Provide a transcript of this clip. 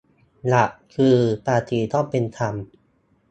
หลักคือ ภาษีต้องเป็นธรรม